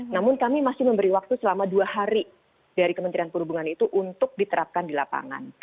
namun kami masih memberi waktu selama dua hari dari kementerian perhubungan itu untuk diterapkan di lapangan